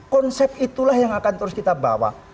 konsep itulah yang akan terus kita bawa